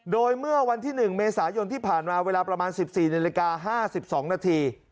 โดยเมื่อวันที่๑เมษายนที่ผ่านมาเวลาประมาณ๑๔นาฬิกา๕๒นาที